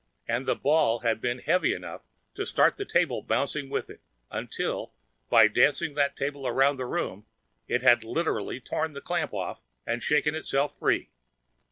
And the ball had been heavy enough to start the table bouncing with it until, by dancing that table around the room, it had literally torn the clamp off and shaken itself free.